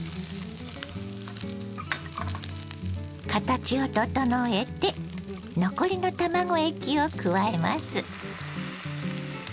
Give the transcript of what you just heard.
形を整えて残りの卵液を加えます。